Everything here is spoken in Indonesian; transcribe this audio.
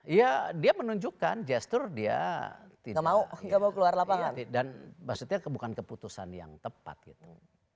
ya dia menunjukkan gestur dia mau keluar lapangan dan maksudnya bukan keputusan yang tepat gitu